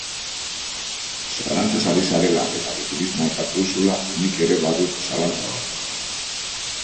Zalantzaz ari zarela eta futurismoa aipatu duzula, nik ere badut zalantza bat.